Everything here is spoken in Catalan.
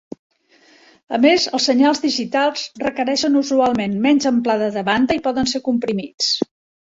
A més els senyals digitals requereixen usualment menys amplada de banda i poden ser comprimits.